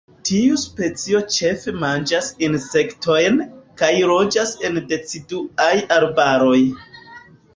Tiu specio ĉefe manĝas insektojn, kaj loĝas en deciduaj arbaroj.